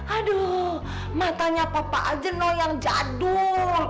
aduh matanya papa ajano yang jadul